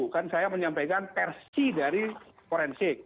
kan saya menyampaikan versi dari forensik